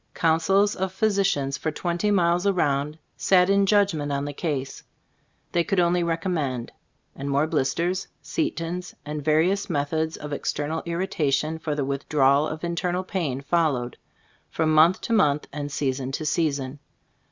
Councils of physicians for twenty miles around sat in judgment on the case. They could only recommend ; and more blisters, setons and various methods of external irritation for the withdrawal of internal pain followed, from month to month and season to season.